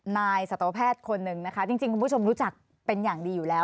สัตวแพทย์คนหนึ่งนะคะจริงคุณผู้ชมรู้จักเป็นอย่างดีอยู่แล้ว